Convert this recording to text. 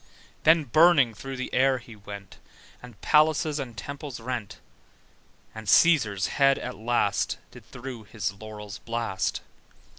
Then burning through the air he went, And palaces and temples rent: And Cæsar's head at last Did through his laurels blast.